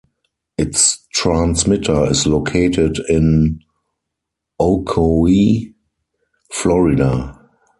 Its transmitter is located in Ocoee, Florida.